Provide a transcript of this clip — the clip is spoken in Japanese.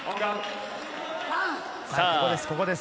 ここです。